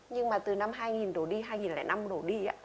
nhưng mà từ năm hai nghìn đổ đi hai nghìn năm đổ đi